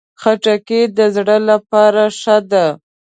خټکی د زړه لپاره ښه ده.